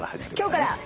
今日から！